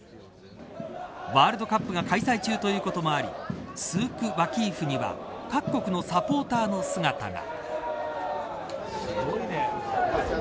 ワールドカップが開催中ということもありスーク・ワキーフには各国のサポーターの姿が。